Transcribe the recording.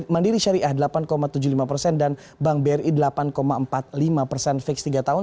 mandiri syariah delapan tujuh puluh lima persen dan bank bri delapan empat puluh lima persen fix tiga tahun